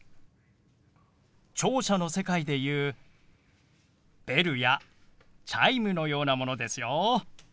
聴者の世界で言うベルやチャイムのようなものですよ。